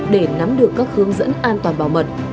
để nắm được các hướng dẫn an toàn bảo mật